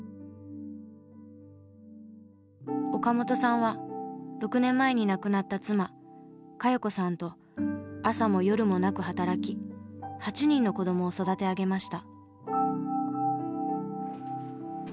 岡本さんは６年前に亡くなった妻賀世子さんと朝も夜もなく働き８人の子どもを育て上げました。